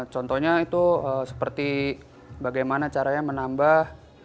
contohnya itu seperti bagaimana caranya menambah